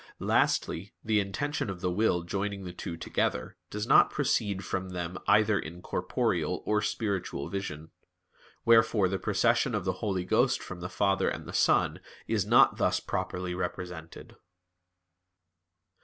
Lastly the intention of the will joining the two together, does not proceed from them either in corporeal or spiritual vision. Wherefore the procession of the Holy Ghost from the Father and the Son is not thus properly represented.